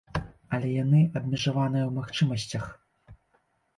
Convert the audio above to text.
Але яны абмежаваныя ў магчымасцях.